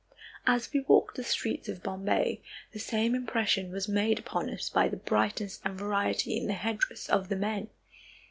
As we walked the streets of Bombay, the same impression was made upon us by the brightness and variety in the headdress of the men.